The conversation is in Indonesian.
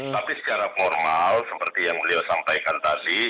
tapi secara formal seperti yang beliau sampaikan tadi